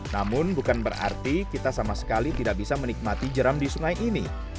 namun bukan berarti kita sama sekali tidak bisa menikmati jeram di sungai ini